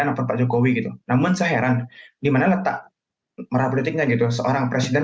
atau pak jokowi gitu namun saya heran dimana letak merah politiknya gitu seorang presiden